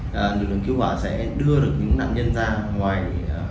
và lực lượng cứu hỏa sẽ đưa được những nạn nhân ra ngoài